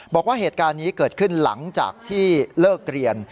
บอกว่าเหตุการณ์นี้เกิดขึ้นหลังจากที่เลิกเรียน